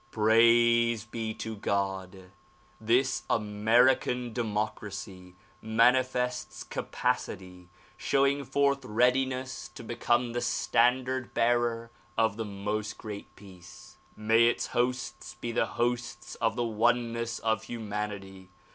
Praise be to God! this American democracy manifests capacity, showing forth readiness to become the standard bearer of the "Most Great Peace." May its hosts be the hosts of the oneness of humanity.